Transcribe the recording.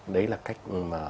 đấy là cách mà